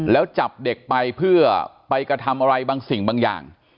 แล้วจับเด็กไปเพื่อไปกระทำอะไรบางสิ่งบางอย่าง